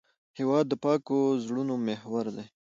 هېواد د پاکو زړونو محور دی.